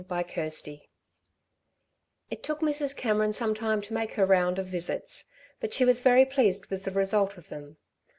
CHAPTER VIII It took Mrs. Cameron some time to make her round of visits. But she was very pleased with the result of them.